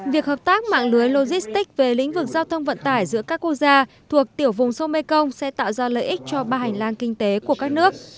việc hợp tác mạng lưới logistics về lĩnh vực giao thông vận tải giữa các quốc gia thuộc tiểu vùng sông mekong sẽ tạo ra lợi ích cho ba hành lang kinh tế của các nước